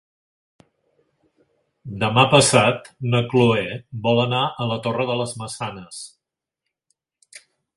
Demà passat na Cloè vol anar a la Torre de les Maçanes.